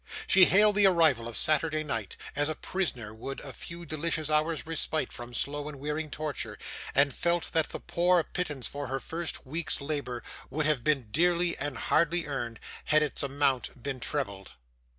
She hailed the arrival of Saturday night, as a prisoner would a few delicious hours' respite from slow and wearing torture, and felt that the poor pittance for her first week's labour would have been dearly and hardly earned, had its amount been trebled.